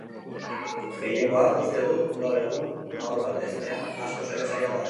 Gehiengoak uste du gaur egun haur bat heztea askoz ere zailagoa dela.